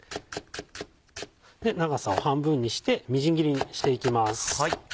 長さを半分にしてみじん切りにしていきます。